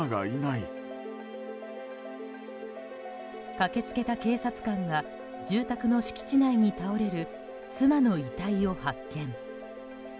駆け付けた警察官が住宅の敷地内に倒れる妻の遺体を発見。